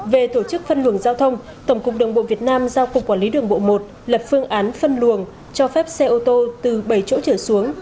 về tổ chức phân luồng giao thông tổng cục đường bộ việt nam giao cục quản lý đường bộ một lập phương án phân luồng cho phép xe ô tô từ bảy chỗ trở xuống